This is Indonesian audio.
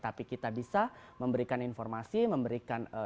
tapi kita bisa menekan